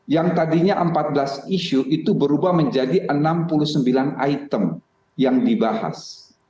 yang tadinya empat belas isu itu berubah menjadi enam puluh sembilan item yang dibahas